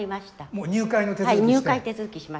もう入会の手続きして？